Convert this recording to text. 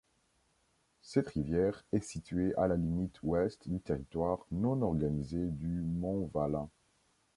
Cette rivière est située à la limite Ouest du territoire non organisé du Mont-Valin.